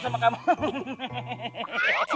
bapak lebih kangen lagi